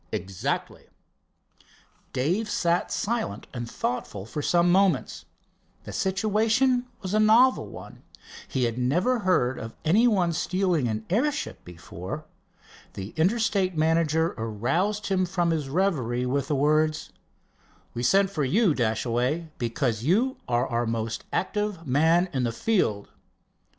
"Exactly." Dave sat silent and thoughtful for some moments. The situation was a novel one. He had never heard of any one stealing an airship before. The Interstate manager aroused him from his reverie with the words: "We sent for you, Dashaway, because you are our most active man in the field."